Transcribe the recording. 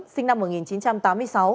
sinh năm một nghìn chín trăm tám mươi sáu